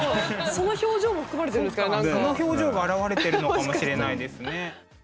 その表情が表れてるのかもしれないですね。